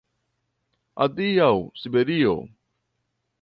Adiaŭ, Siberio!”